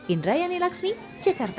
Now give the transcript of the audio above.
indrayani laksmi jakarta